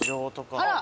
あら。